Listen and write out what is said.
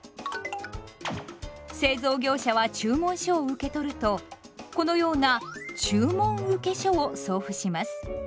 製造業者は注文書を受け取るとこのような「注文請書」を送付します。